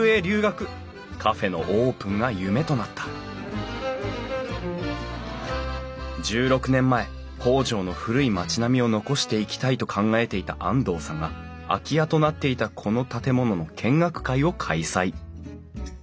カフェのオープンが夢となった１６年前北条の古い町並みを残していきたいと考えていた安藤さんが空き家となっていたこの建物の見学会を開催。